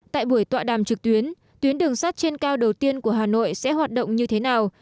tại buổi tọa đàm trực tuyến tuyến đường sắt trên cao đầu tiên của hà nội sẽ hoạt động như thế nào